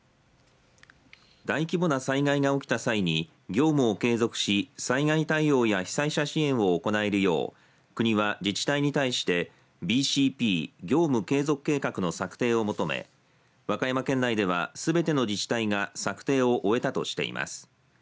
大規模な災害が起きた際に業務を継続し、災害対応や被災者支援を行えるよう、国は自治体に対してＢＣＰ＝業務継続計画の策定を求め、和歌山県内ではすべての自治体が策定を終えたとしています。